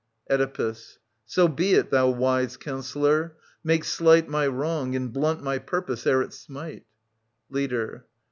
Oedipus. So be it, thou wise counsellor ! Make slight My wrong, and blunt my purpose ere it smite. Leader.